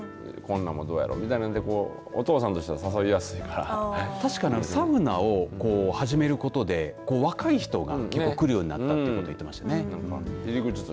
こんなもどうやろみたいなので、お父さんとしては確かにサウナを始めることで若い人がくるようになったと言ってましたね。